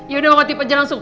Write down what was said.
yaudah waktunya pecah langsung